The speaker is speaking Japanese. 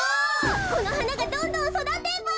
このはながどんどんそだてば。